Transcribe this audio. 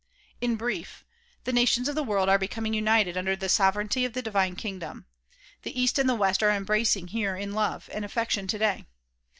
In brief; the nations of the world are becoming united under tlie sovereignty of the divine kingdom. The east and the west are embracing here in love and affection today.